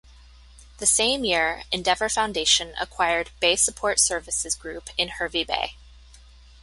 The same year, Endeavour Foundation acquired Bay Support Services Group in Hervey Bay.